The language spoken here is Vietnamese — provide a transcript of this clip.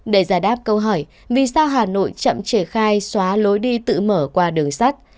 để giải đáp câu hỏi vì sao hà nội chậm triển khai xóa lối đi tự mở qua đường sắt